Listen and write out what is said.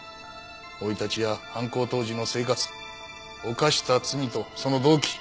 生い立ちや犯行当時の生活犯した罪とその動機。